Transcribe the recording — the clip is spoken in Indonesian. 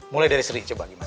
mulai dari seri coba gimana